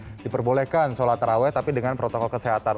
pemerintah sudah memperbolehkan sholat taraweh tapi dengan protokol kesehatan